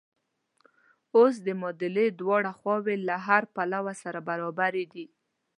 اوس د معادلې دواړه خواوې له هره پلوه سره برابرې دي.